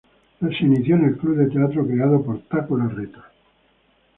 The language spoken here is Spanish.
Se inició en el Club de Teatro creado por Taco Larreta.